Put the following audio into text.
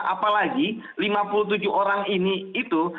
apalagi lima puluh tujuh orang ini itu